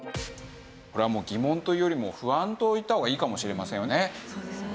これはもう疑問というよりも不安と言った方がいいかもしれませんよね。